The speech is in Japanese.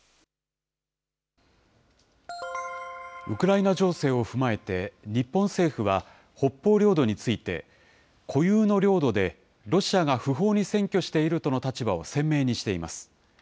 ウクライナ情勢を踏まえて、日本政府は北方領土について、固有の領土で、ロシアが不法に占拠しているとの立場を鮮明にしています。